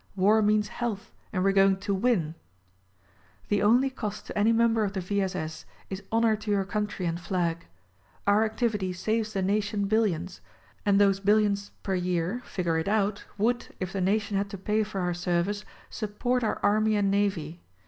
War means health and we're going to WIN ! The only cost to any member of the V. S. S. is honor to your country and flag. Our activity saves the nation billions ; and those billions, per year, figure it out — would, if the nation had to pay for our service, support our Army and Navy.